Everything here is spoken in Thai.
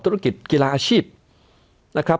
ธุรกิจกีฬาอาชีพนะครับ